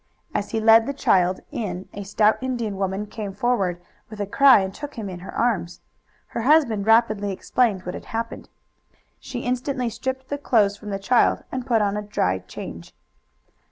As he led the child in a stout Indian woman came forward with a cry and took him in her arms. Her husband rapidly explained what had happened. She instantly stripped the clothes from the child and put on a dry change.